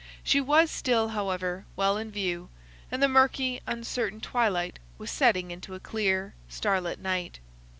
She was still, however, well in view, and the murky uncertain twilight was setting into a clear starlit night.